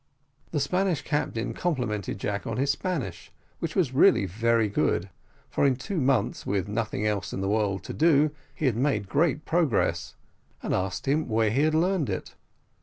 The Spanish captain complimented Jack on his Spanish, which was really very good (for in two months, with nothing else in the world to do, he had made great progress), and asked him where he had learned it.